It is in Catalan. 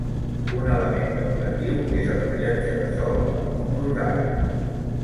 Un element decoratiu és el rellotge de sol amb números àrabs.